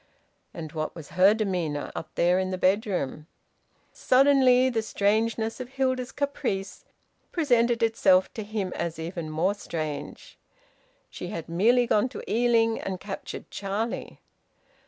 And what was her demeanour, up there in the bedroom? Suddenly the strangeness of Hilda's caprice presented itself to him as even more strange. She had merely gone to Ealing and captured Charlie.